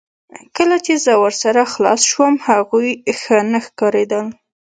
کله چې زه ورسره خلاص شوم هغوی ښه نه ښکاریدل